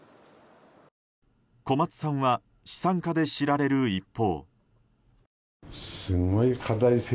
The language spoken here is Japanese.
小松さんは資産家で知られる一方。